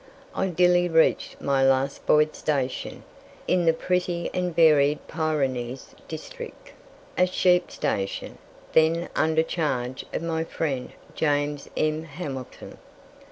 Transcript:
I dilly reached my last Boyd station, in the pretty and varied Pyrenees district a sheep station, then under charge of my friend James M. Hamilton.